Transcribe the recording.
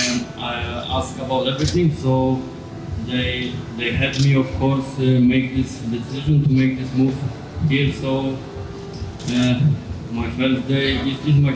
jadi hari ke dua belas ini adalah hari ke dua belas saya jadi saya sangat senang